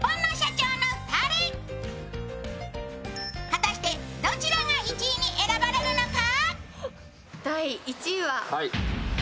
果たしてどちらが１位に選ばれるのか？